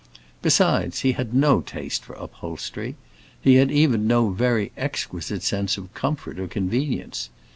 Besides, he had no taste for upholstery; he had even no very exquisite sense of comfort or convenience.